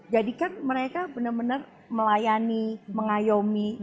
jadikan mereka benar benar melayani mengayomi